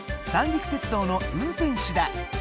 三陸鉄道の運転士だ。